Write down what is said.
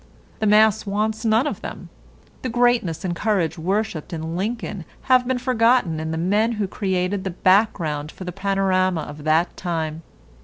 The mass wants none of them. The greatness and courage worshipped in Lincoln have been forgotten in the men who created the background for the panorama of that time.